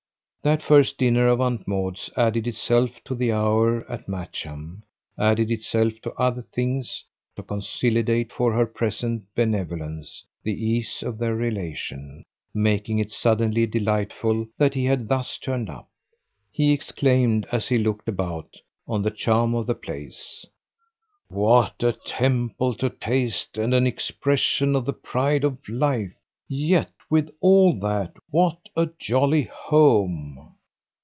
That first dinner of Aunt Maud's added itself to the hour at Matcham, added itself to other things, to consolidate, for her present benevolence, the ease of their relation, making it suddenly delightful that he had thus turned up. He exclaimed, as he looked about, on the charm of the place: "What a temple to taste and an expression of the pride of life, yet, with all that, what a jolly HOME!"